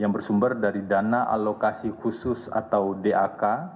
yang bersumber dari dana alokasi khusus atau dak